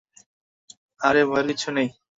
আরে, ভয়ের কিচ্ছু নেই!